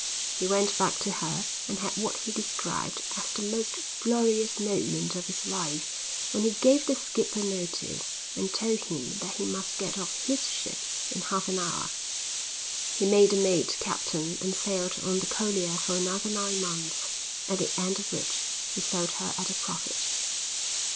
He went back to her and had what he described as the most glorious moment of his life when he gave the skipper notice and told him that he must get off his ship in half an hour. He made the mate captain and sailed on the collier for another nine months, at the end of which he sold her at a profit.